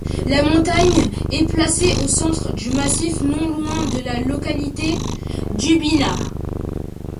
La montagne est placée au centre du massif non loin de la localité d’Udbina.